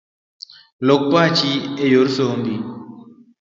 Lok pachi eyor sombi